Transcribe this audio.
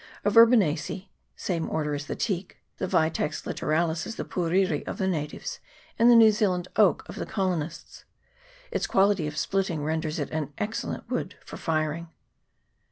Of Verbenacea (same order as the teak), theVitex litto ralis is the Puriri of the natives and the New Zealand oak of the colonists. Its quality of splitting renders it an ex cellent wood for firing.